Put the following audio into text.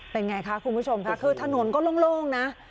เป็นไงคะคุณผู้ชมค่ะคือถนนก็โล่งนะ